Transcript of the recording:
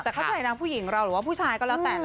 แต่เข้าใจนางผู้หญิงเราหรือว่าผู้ชายก็แล้วแต่นะ